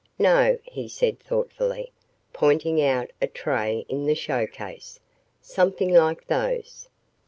"No," he said thoughtfully, pointing out a tray in the show case, "something like those."